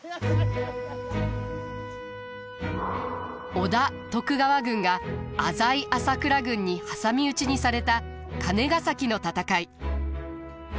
織田徳川軍が浅井朝倉軍に挟み撃ちにされた金ヶ崎の戦い。